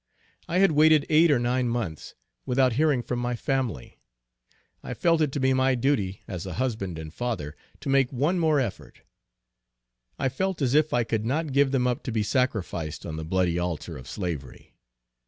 I had waited eight or nine months without hearing from my family. I felt it to be my duty, as a husband and father, to make one more effort. I felt as if I could not give them up to be sacrificed on the "bloody altar of slavery."